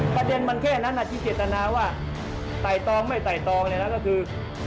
ประเด็นมันแค่นั้นที่เจตนาว่าไต่ตองไม่ไต่ตองเนี่ยนะก็คือ